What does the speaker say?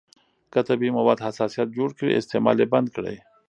که طبیعي مواد حساسیت جوړ کړي، استعمال یې بند کړئ.